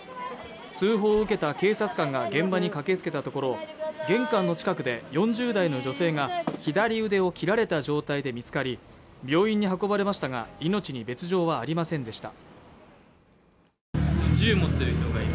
通報を受けた警察官が現場に駆けつけたところ玄関の近くで４０代の女性が左腕を切られた状態で見つかり病院に運ばれましたが命に別状はありませんでした